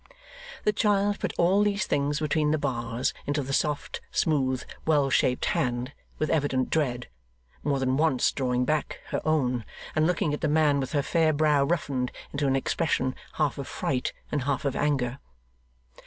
The child put all these things between the bars into the soft, Smooth, well shaped hand, with evident dread more than once drawing back her own and looking at the man with her fair brow roughened into an expression half of fright and half of anger.